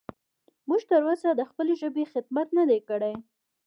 موږ تر اوسه د خپلې ژبې خدمت نه دی کړی.